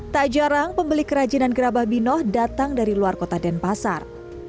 tak jarang pembeli kerajinan gerabah binoh datang dari luar kota denpasar